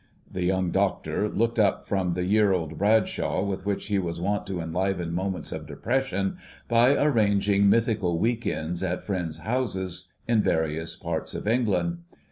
The Young Doctor looked up from the year old 'Bradshaw' with which he was wont to enliven moments of depression by arranging mythical week ends at friends' houses in various parts of England.